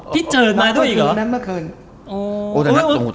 พี่เจอรมาด้วยอีกหรอ